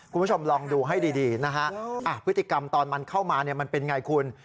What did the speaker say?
คุณผู้ชมลองดูให้ดีนะฮะพฤติกรรมตอนมันเข้ามามันเป็นไงคุณ